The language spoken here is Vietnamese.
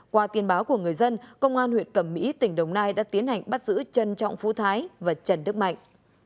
qua tin báo của người dân công an huyện cẩm mỹ tỉnh đồng nai đã tiến hành bắt giữ trần trọng phú thái và trần đức mạnh